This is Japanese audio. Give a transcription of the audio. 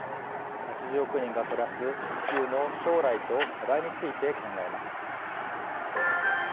８０億人が暮らす地球の将来と課題について考えます。